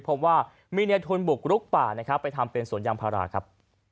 เพราะว่ามีเนื้อทุนบุกลุกป่านะครับไปทำเป็นสวนยามพราคับ